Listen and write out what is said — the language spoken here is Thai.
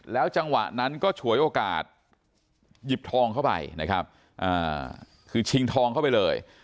จังหวะนั้นก็ฉวยโอกาสหยิบทองเข้าไปนะครับคือชิงทองเข้าไปเลย